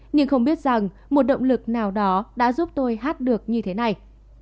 nhưng không biết rằng một động lực nào đó đã giúp tôi hát được như thế này